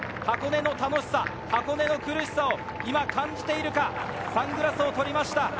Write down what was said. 箱根の楽しさ、苦しさを今、感じているか、サングラスを取りました。